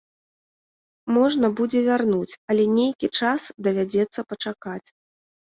Можна будзе вярнуць, але нейкі час давядзецца пачакаць.